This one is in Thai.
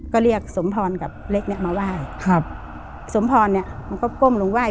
ก็เรียกสมพรกับเล็กเนี้ยมาไหว้ครับสมพรเนี่ยมันก็ก้มลงไห้